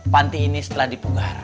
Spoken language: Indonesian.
panti ini setelah dipugar